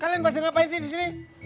kalian pada ngapain sih disini